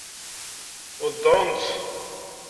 Weddṛent-tt?